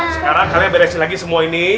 sekarang kami beresin lagi semua ini